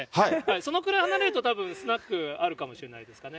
そのくらい離れると、たぶん、スナックあるかもしれないですかね。